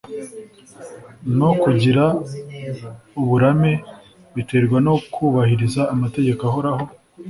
no kugira uburame biterwa no kubahiriza amategeko ahoraho